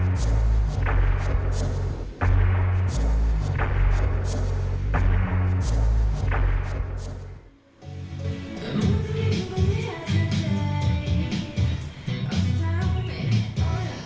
kisah kisah yang menjadikan anak bangsa tersebut terkenal